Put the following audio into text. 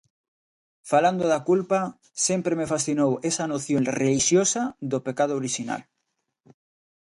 Falando da culpa, sempre me fascinou esa noción relixiosa do pecado orixinal.